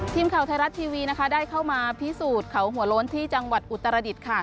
ทีมข่าวไทยรัฐทีวีได้เข้ามาพิสูจน์เขาหัวโล้นที่จังหวัดอุตรดิษฐ์